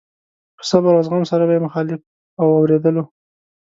په صبر او زغم سره به يې مخالف اورېدلو.